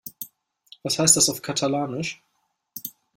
Was heißt das auf Katalanisch?